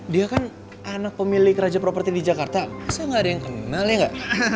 dia kan anak pemilik raja properti di jakarta saya nggak ada yang kenal ya nggak